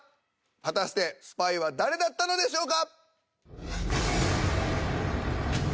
果たしてスパイは誰だったのでしょうか？